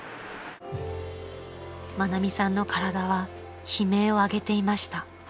［愛美さんの体は悲鳴を上げていました］